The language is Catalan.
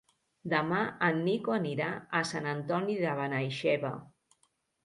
Demà en Nico anirà a Sant Antoni de Benaixeve.